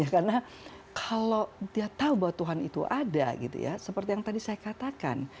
karena kalau dia tahu bahwa tuhan itu ada gitu ya seperti yang tadi saya katakan